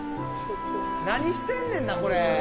何してんねんなこれ。